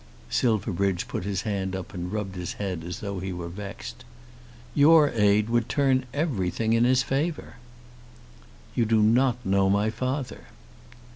Silverbridge put his hand up and rubbed his head as though he were vexed. "Your aid would turn everything in his favour." "You do not know my father."